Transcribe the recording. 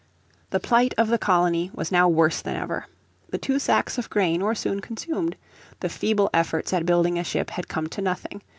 The plight of the colony was now worse than ever. The two sacks of grain were soon consumed; the feeble efforts at building a ship had come to nothing.